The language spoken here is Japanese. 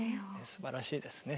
すばらしいですね。